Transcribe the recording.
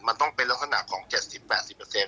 มันต้องเป็นลักษณะของเจ็ดสิบแปดสิบเปอร์เซ็นต์